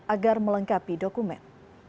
agar melengkapi dokumen